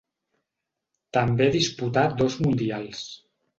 També disputà dos Mundials.